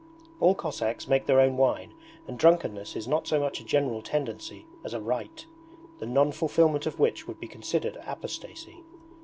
All Cossacks make their own wine, and drunkenness is not so much a general tendency as a rite, the non fulfilment of which would be considered apostasy.